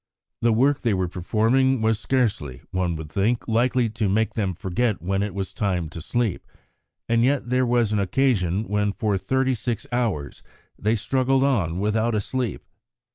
The work they were performing was scarcely, one would think, likely to make them forget when it was time to sleep. And yet there was an occasion when for thirty six hours they struggled on without a sleep.